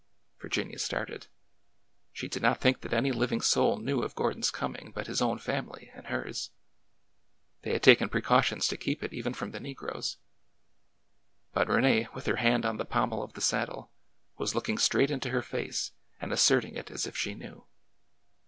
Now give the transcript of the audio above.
Virginia started. She did not think that any living soul knew of Gordon's coming but his own family and hers. They had taken precautions to keep it even from the ne groes. But Rene, with her hand on the pommel of the saddle, was looking straight into her face and asserting it as if she knew.